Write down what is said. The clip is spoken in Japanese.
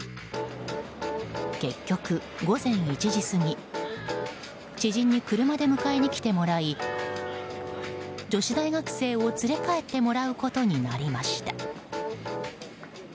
結局、午前１時過ぎ知人に車で迎えに来てもらい女子大学生を連れ帰ってもらうことになりました。